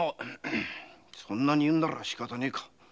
そんなに言うならしかたねえか。